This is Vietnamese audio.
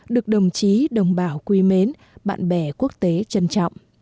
được đồng chí đồng bào quý mến bạn bè quốc tế trân trọng